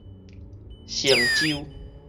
嵊州